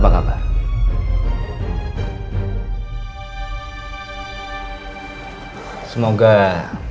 semoga anda gak lupa dengan saya